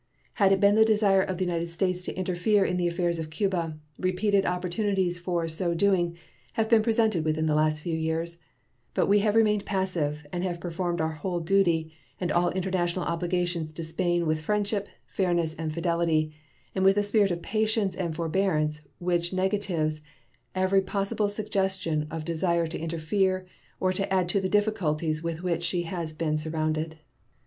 Had it been the desire of the United States to interfere in the affairs of Cuba, repeated opportunities for so doing have been presented within the last few years; but we have remained passive, and have performed our whole duty and all international obligations to Spain with friendship, fairness, and fidelity, and with a spirit of patience and forbearance which negatives every possible suggestion of desire to interfere or to add to the difficulties with which she has been surrounded.